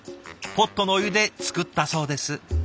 ポットのお湯で作ったそうです。